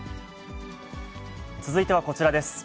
続いてはこちらです。